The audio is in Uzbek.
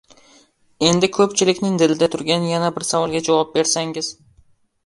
Endi ko‘pchilikning dilida turgan yana bir savolga javob bersangiz.